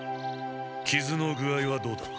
きずの具合はどうだ？